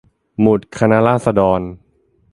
หมุดคณะราษฎร